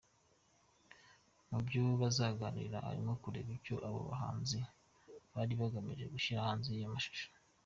Mu byo bazaganira harimo kureba icyo abo bahanzi bari bagamije bashyira hanze ayo mashusho.